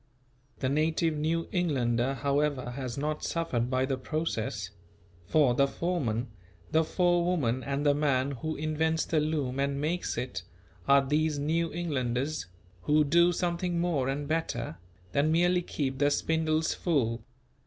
The native New Englander however has not suffered by the process; for the foreman, the forewoman and the man who invents the loom and makes it, are these New Englanders, who do something more and better than merely keep the spindles full.